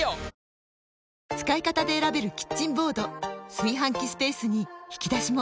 炊飯器スペースに引き出しも！